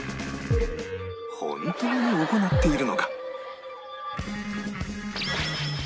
本当に行っているのか？